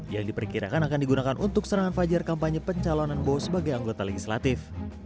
yang diperkirakan akan digunakan untuk serangan fajar kampanye pencalonan bowo sebagai anggota legislatif